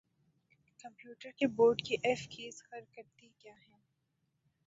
computer keyboard کی F keys خر کرتی کیا ہیں